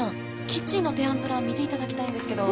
キッチンの提案プラン見ていただきたいんですけど。